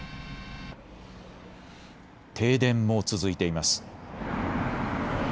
停電も続いています。